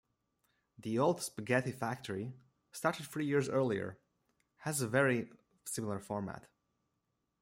The Old Spaghetti Factory, started three years earlier, has a very similar format.